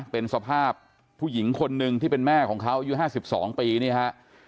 เป็นสภาพผู้หญิงคนหนึ่งที่เป็นแม่ของเขาอายุ๕๒ปีนี่ฮะ